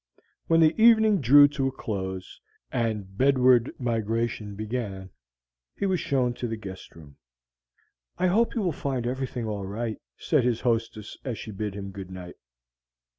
When the evening drew to a close and bed ward migration began, he was shown to the guest room. "I hope you will find everything all right," said his hostess as she bid him good night.